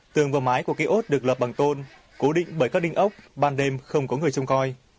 tường và mái của kiosk được lập bằng tôn cố định bởi các đinh ốc ban đêm không có người trông coi